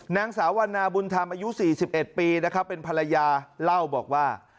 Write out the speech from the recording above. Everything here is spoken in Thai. นางสาววรรณาบุญธรรมอายุสี่สิบเอ็ดปีนะครับเป็นภรรยาเล่าบอกว่า